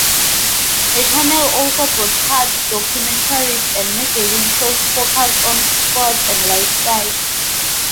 The channel also broadcasts documentaries and magazine shows focused on sport and lifestyle.